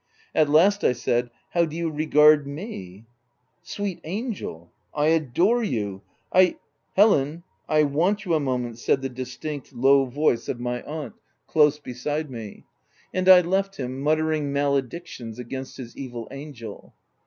At last I said —" How do you regard me V 9 306 THE TENANT Sweet angel, I adore you ! I —"" Helen, I want you a moment," said the distinct, low voice of my aunt, close beside us. And I left him, muttering maledictions against his evil angel.